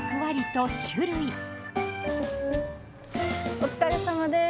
お疲れさまです。